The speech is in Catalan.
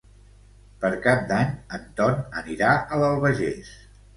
Per Cap d'Any en Ton anirà a l'Albagés.